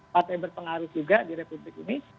partai berpengaruh juga di republik ini